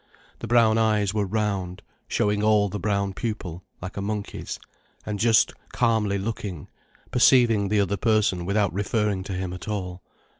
The brown eyes were round, showing all the brown pupil, like a monkey's, and just calmly looking, perceiving the other person without referring to him at all.